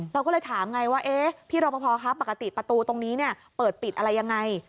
เราก็เลยถามไงว่าพี่รอปภคะปกติประตูตรงนี้เปิดปิดอะไรยังไง